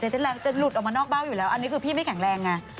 เส้นแรงจะหลุดออกมานอกเบ้าอยู่แล้วอันนี้คือพี่ไม่แข็งแรงไง